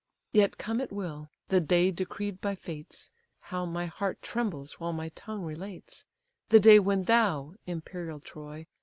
"Yet come it will, the day decreed by fates! (How my heart trembles while my tongue relates!) The day when thou, imperial Troy!